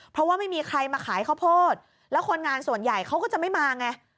เพราะว่าไม่มีใครมาขายข้าวโพดแล้วคนงานส่วนใหญ่เขาก็จะไม่มาไง